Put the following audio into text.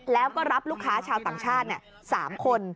แล้วก็รับลูกค้าชาวต่างชาติ๓คน